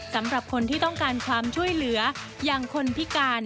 สำหรับคนที่ต้องการความช่วยเหลืออย่างคนพิการ